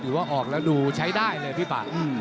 ตอบบอกว่าออกนั้นดูใช้ได้เลยพี่ปะ